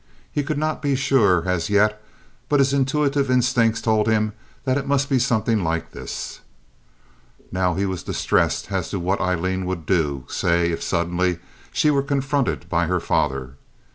He could not be sure as yet, but his intuitive instincts told him that it must be something like this. Now he was distressed as to what Aileen would do, say if suddenly she were confronted by her father.